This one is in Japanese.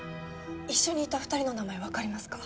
一緒にいた二人の名前分かりますか？